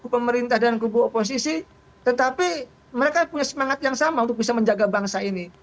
pemerintah dan kubu oposisi tetapi mereka punya semangat yang sama untuk bisa menjaga bangsa ini